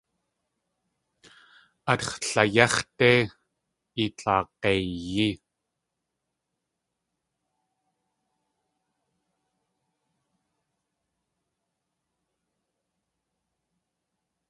Átx̲ layéx̲ dé i tlag̲eiyí!